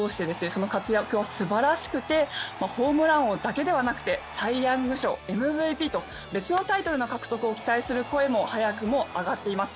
その活躍は素晴らしくてホームラン王だけではなくてサイ・ヤング賞、ＭＶＰと別のタイトルの獲得を期待する声も早くも上がっています。